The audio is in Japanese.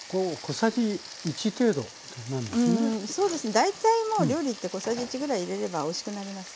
大体もう料理って小さじ１ぐらい入れればおいしくなります。